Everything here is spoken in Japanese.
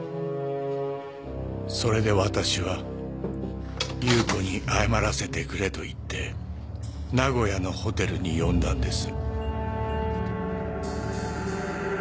それでわたしは夕子に謝らせてくれと言って名古屋のホテルに呼んだんです。